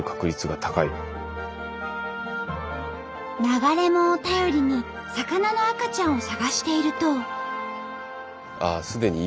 流れ藻を頼りに魚の赤ちゃんを探していると。